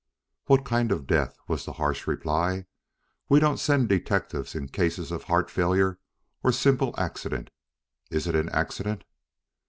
"What kind of death?" was the harsh reply. "We don't send detectives in cases of heart failure or simple accident. Is it an accident?"